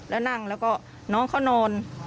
แล้วนั่งแล้วก็น้องเขานอน